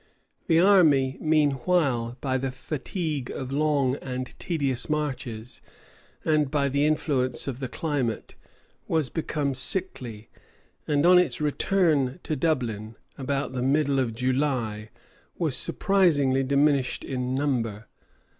The army, meanwhile, by the fatigue of long and tedious marches, and by the influence of the climate, was become sickly; and on its return to Dublin, about the middle of July, was surprisingly diminished in number.